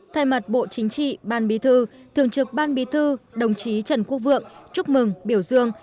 thay mặt bộ chính trị ban bí thư thường trực ban bí thư đồng chí trần quốc vượng chúc mừng biểu dương